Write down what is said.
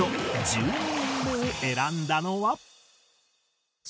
１２人目を選んだのは。